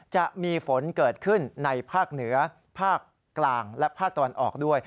จะมีฝนเกิดขึ้นในภาคเหนือภาคกลางและภาคตะวันออกด้วย